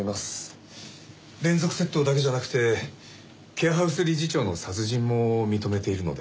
連続窃盗だけじゃなくてケアハウス理事長の殺人も認めているので。